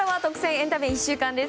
エンタメ１週間です。